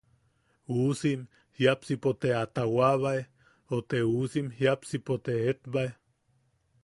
Uusim jiapsipo te a taawabae o te uusim jiapsipo te eetbae.